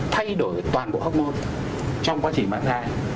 thay đổi toàn bộ hormone trong quá trình mang thai